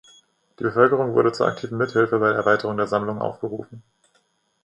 Die Bevölkerung wurde zur aktiven Mithilfe bei der Erweiterung der Sammlung aufgerufen.